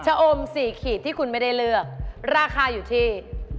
อม๔ขีดที่คุณไม่ได้เลือกราคาอยู่ที่